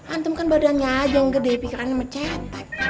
antum kan badannya aja yang gede pikirannya mecetak